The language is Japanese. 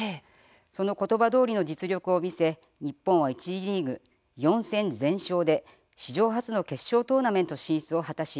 その言葉のとおりの実力を見せ日本は一次リーグ４戦全勝で史上初の決勝トーナメント進出を果たし